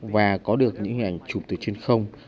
và có được những hình ảnh chụp từ trên không